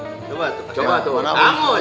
coba tuh coba tuh warahmatullah